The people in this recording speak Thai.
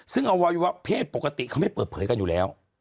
ซึ่งอวัยวะเพศปกติเขาไม่เปิดเผยกันอยู่แล้ว